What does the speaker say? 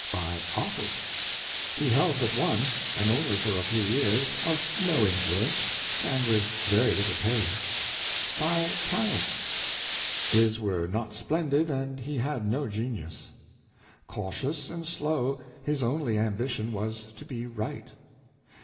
By office 1 He held but one, and only for a few years, of no influence, and with very little pay. By talents.^ His were not splendid, and he had no genius. Cautious and slow, his only ambition was to be right.